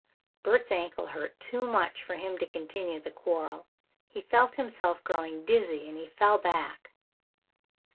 Bert's ankle hurt too much for him to continue the quarrel. He felt himself growing dizzy and he fell back.